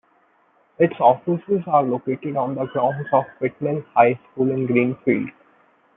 Its offices are located on the grounds of Whitnall High School in Greenfield.